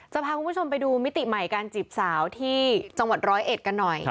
จะพาคุณผู้ชมไปดูมิติใหม่การจีบสาวที่จังหวัดร้อยเอ็ดกันหน่อย